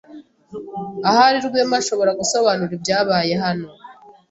Ahari Rwema ashobora gusobanura ibyabaye hano.